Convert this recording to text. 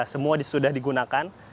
semua sudah digunakan